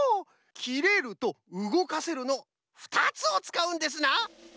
「きれる」と「うごかせる」の２つをつかうんですな！